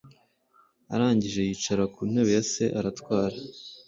arangije yicara ku ntebe ya se aratwara.